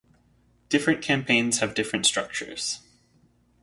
Different campaigns have different structures.